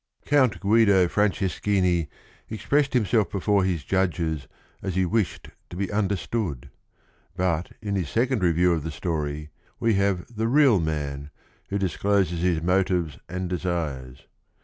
Count Guido Franceschini expressed himself before his judges as he wished to be understood; but in hi a ae i und leview of the story we ha ve the real man, who discloses his motives and desires.